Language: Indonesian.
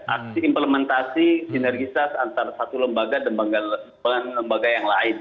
aksi implementasi sinergitas antara satu lembaga dan lembaga yang lain